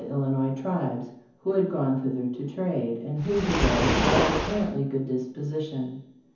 Illinois tribes, who had gone thither to trade, and who, he wrote, "are of apparently good disposition."